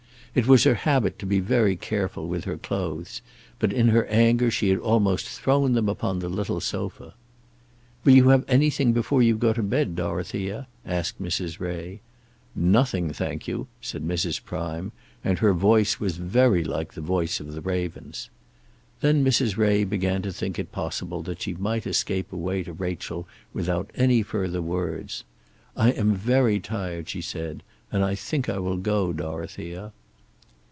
It was her habit to be very careful with her clothes, but in her anger she had almost thrown them upon the little sofa. "Will you have anything before you go to bed, Dorothea?" said Mrs. Ray. "Nothing, thank you," said Mrs. Prime; and her voice was very like the voice of the ravens. Then Mrs. Ray began to think it possible that she might escape away to Rachel without any further words. "I am very tired," she said, "and I think I will go, Dorothea."